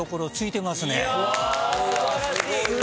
いや素晴らしい！